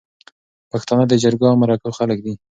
پښتانه د جرګو او مرکو خلک دي